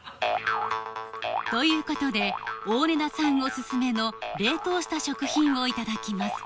ということで大根田さんおすすめの冷凍した食品をいただきます